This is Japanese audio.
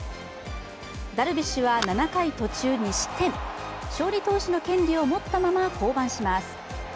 ダルビッシュは７回途中２失点勝利投手の権利を持ったまま降板します。